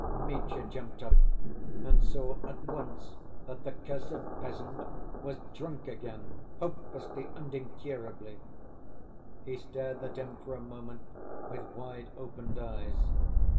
Mitya jumped up and saw at once that the cursed peasant was drunk again, hopelessly and incurably. He stared at him for a moment with wide opened eyes.